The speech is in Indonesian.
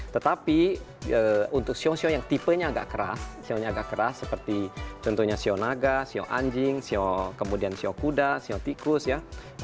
tetapi untuk sio sio yang tipenya agak keras sio agak keras seperti contohnya sio naga sio anjing sio kemudian sio kuda sio tikus ya